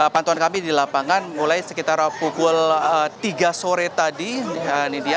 pantauan kami di lapangan mulai sekitar pukul tiga sore tadi nidya